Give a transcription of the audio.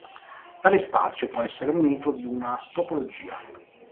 Tale spazio può essere munito di una topologia.